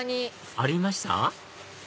ありました？